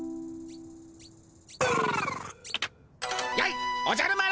やいおじゃる丸！